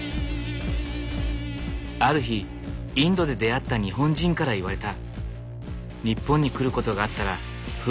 ある日インドで出会った日本人から言われた。